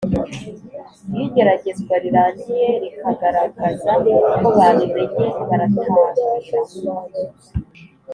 Iyo igeragezwa rirangiye rikagaragaza ko babimenye baratangira